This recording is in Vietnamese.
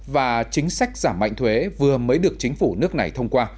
và chính sách giảm mạnh thuế vừa mới được chính phủ nước này thông qua